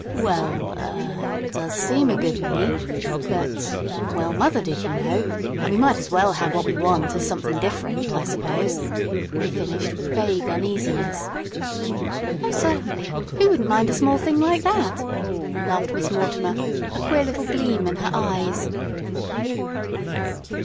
"Well er it does seem a good many; but well, mother did, you know, and we might as well have what we want, as something different, I suppose," he finished, with vague uneasiness. "Oh, certainly, who would mind a small thing like that!" laughed Miss Mortimer, a queer little gleam in her eyes.